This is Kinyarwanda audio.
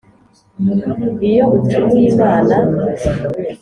iyo ucumuye imana